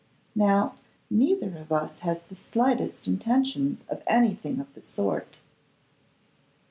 Now, neither of us has the slightest intention of anything of the sort.